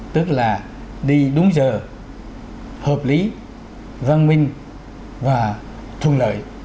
tức là đi đúng giờ hợp lý văn minh và thuận lợi